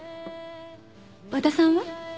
和田さんは？